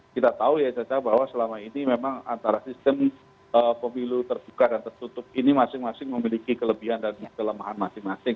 kita tahu ya caca bahwa selama ini memang antara sistem pemilu terbuka dan tertutup ini masing masing memiliki kelebihan dan kelemahan masing masing